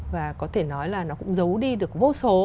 và có thể nói là nó cũng giấu đi được vô số